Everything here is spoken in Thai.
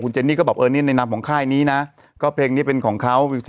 เจนนี่ก็บอกเออนี่ในนามของค่ายนี้นะก็เพลงนี้เป็นของเขา